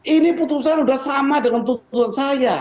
ini putusan sudah sama dengan tuntutan saya